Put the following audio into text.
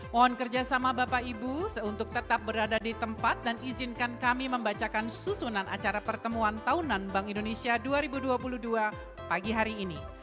mohon kerjasama bapak ibu untuk tetap berada di tempat dan izinkan kami membacakan susunan acara pertemuan tahunan bank indonesia dua ribu dua puluh dua pagi hari ini